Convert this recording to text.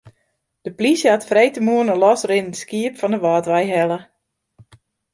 De plysje hat freedtemoarn in losrinnend skiep fan de Wâldwei helle.